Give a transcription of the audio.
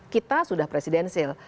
kita sudah presidensil